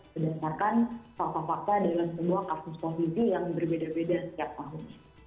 berdasarkan fakta fakta dalam semua kasus posisi yang berbeda beda setiap tahun